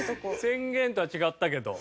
宣言とは違ったけど。